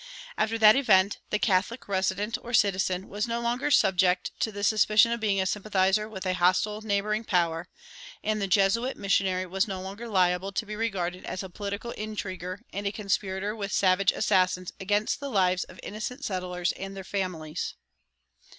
After that event the Catholic resident or citizen was no longer subject to the suspicion of being a sympathizer with a hostile neighboring power, and the Jesuit missionary was no longer liable to be regarded as a political intriguer and a conspirator with savage assassins against the lives of innocent settlers and their families.